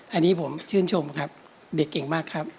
อันนี้ผมชื่นชมครับเด็กเก่งมากครับ